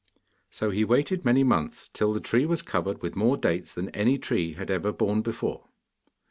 So he waited many months, till the tree was covered with more dates than any tree had ever borne before.